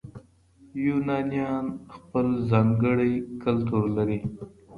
یونانیان خپل ځانګړی کلتور لري.